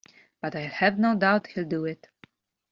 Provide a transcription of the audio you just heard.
But I have no doubt he'll do it.